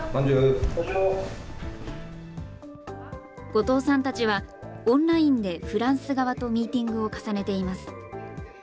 後藤さんたちは、オンラインでフランス側とミーティングを重ねています。